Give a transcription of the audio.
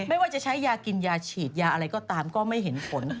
ไม่ว่าจะใช้ยากินยาฉีดยาอะไรก็ตามก็ไม่เห็นผล